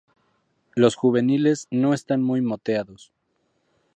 Los juveniles, no están muy moteados.